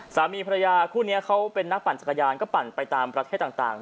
สามีภรรยาคู่นี้เขาเป็นนักปั่นจักรยานก็ปั่นไปตามประเทศต่าง